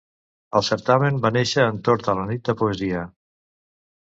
El certamen va néixer entorn de la Nit de poesia.